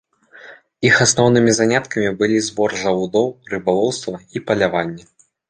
Іх асноўнымі заняткамі былі збор жалудоў, рыбалоўства і паляванне.